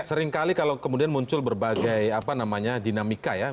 misalnya kalau kemudian muncul berbagai apa namanya dinamika ya